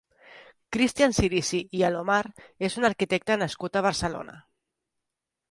Cristian Cirici i Alomar és un arquitecte nascut a Barcelona.